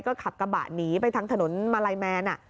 ก็ขับกระบะหนีไปทางถนนมาลัยแมน